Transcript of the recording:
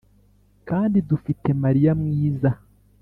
kandi dufite mariya mwiza